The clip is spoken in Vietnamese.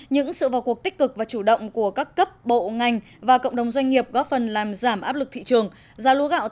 những sự vào cuộc tích cực và chủ động của các cấp bộ ngành và cộng đồng doanh nghiệp góp phần làm giảm áp lực thị trường